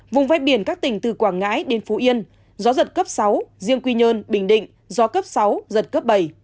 vùng vét biển các tỉnh từ quảng ngãi đến phú yên gió giật cấp sáu riêng quy nhơn bình định gió cấp sáu giật cấp bảy